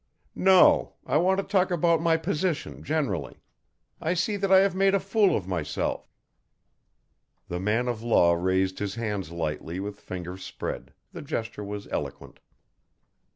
"No. I want to talk about my position generally. I see that I have made a fool of myself." The man of law raised his hands lightly with fingers spread, the gesture was eloquent.